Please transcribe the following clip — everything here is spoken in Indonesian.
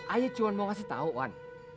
ayah cuma mau kasih tahu wan